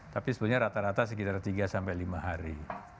tapi sebenarnya rata rata sekitar tiga sampai lima hari